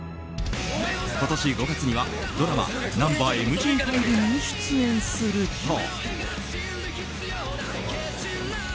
今年５月にはドラマ「ナンバＭＧ５」に出演すると。